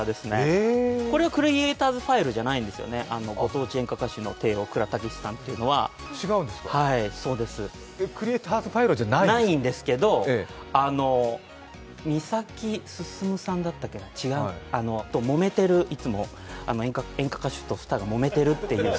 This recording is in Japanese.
これはクリエイターズ・ファイルじゃないんですよね、ご当地演歌歌手の帝王・倉たけしさんというのは。クリエーターズファイルじゃないんですけどみさきすすむさんだっけな演歌歌手ともめてるという。